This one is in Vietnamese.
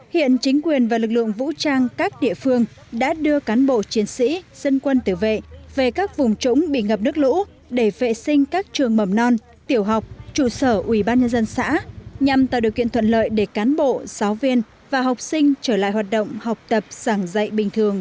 hiện chính quyền và lực lượng vũ trang các địa phương đã đưa cán bộ chiến sĩ dân quân tử vệ về các vùng trúng bị ngập nước lũ để vệ sinh các trường mầm non tiểu học trụ sở ủy ban nhân dân xã nhằm tạo điều kiện thuận lợi để cán bộ giáo viên và học sinh trở lại hoạt động học tập sẵn dậy bình thường